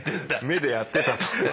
目でやってたと。